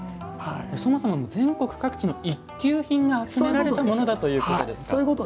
そもそも全国各地の一級品が集められたものだということですか。